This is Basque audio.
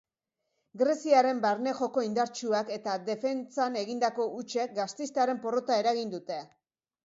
Greziarren barne joko indartsuak eta defentsan egindako hutsek gasteiztarren porrota eragin dute.